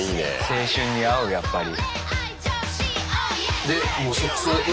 青春に合うやっぱり。